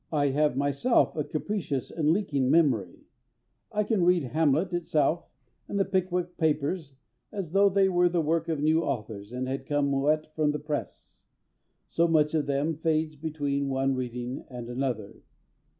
I have myself a capricious and leaking memory. I can read Hamlet itself and The Pickwick Papers as though they were the work of new authors and had come wet from the press, so much of them fades between one reading and another.